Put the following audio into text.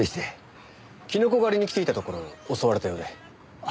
キノコ狩りに来ていたところ襲われたようで。